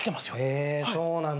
へぇそうなんだ。